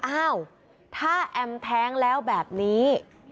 อ้าวถ้าแอมแท้งแล้วแบบนี้